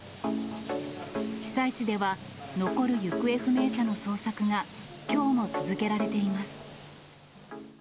被災地では、残る行方不明者の捜索が境も続けられています。